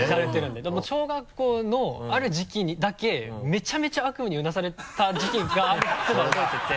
でも小学校のある時期にだけめちゃめちゃ悪夢にうなされた時期があるっていうのは覚えてて。